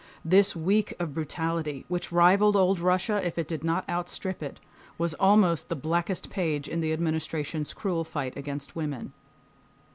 This week of brutality, which rivaled old Russia, if it did not outstrip it, was almost the blackest page in the Administration's cruel fight against women.